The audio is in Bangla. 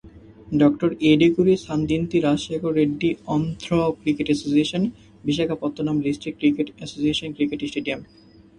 Doctor Yeduguri সানদিন্তি Rajshekhar Reddy Andhra cricket অ্যাসোসিয়েশন-বিশাখাপত্তনম district cricket association cricket stadium.